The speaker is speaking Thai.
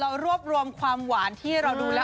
เรารวบรวมความหวานที่เราดูแล้ว